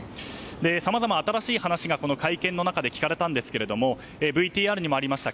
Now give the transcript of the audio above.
さまざま新しい話が会見の中で聞かれたんですけれどもＶＴＲにもありました